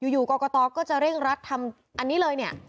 อยู่กรกตก็จะเร่งรัดทำอันนี้เลยเนี่ย